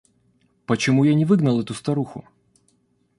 Почему я не выгнал эту старуху?